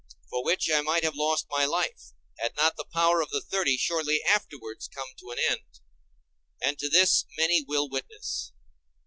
For which I might have lost my life, had not the power of the Thirty shortly afterwards come to an end. And to this many will witness.